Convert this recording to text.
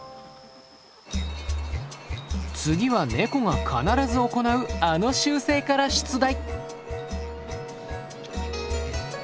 次はネコが必ず行うあの習性から出題。